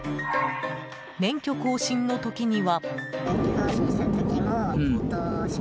免許更新の時には。